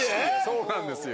そうなんですよ。